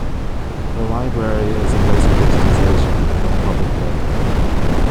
The library is embracing digitization for the public good.